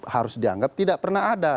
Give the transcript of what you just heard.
harus dianggap tidak pernah ada